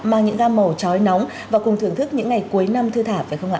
mang những gam màu trói nóng và cùng thưởng thức những ngày cuối năm thư thả phải không ạ